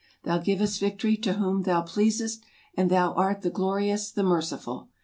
Thou givest victory to whom thou pleasest, and thou art the glorious, the merciful !